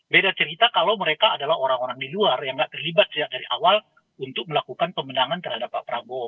beda cerita kalau mereka adalah orang orang di luar yang tidak terlibat dari awal untuk melakukan pemenangan terhadap pak prabowo